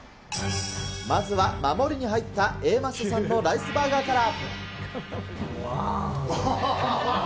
まずは、守りに入ったＡマッソさんのライスバーガーから。